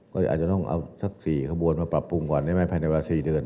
ก็อาจจะต้องเอาทักษีขบวนมาปรับปรุงก่อนในแม่ภาคภาษีเดือน